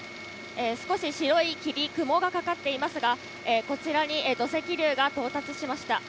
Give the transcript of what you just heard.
少し白い霧、雲がかかっていますが、こちらに土石流が到達しました。